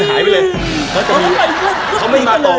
แล้วก็เดินหายไปเลย